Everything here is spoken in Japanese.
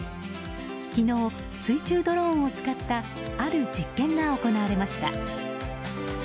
昨日、水中ドローンを使ったある実験が行われました。